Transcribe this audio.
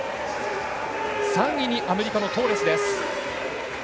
３位にアメリカのトーレスです。